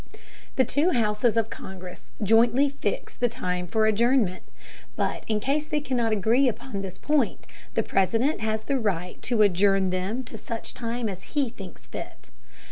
The two houses of Congress jointly fix the time for adjournment, but in case they cannot agree upon this point, the President has the right to adjourn them to such time as he thinks fit.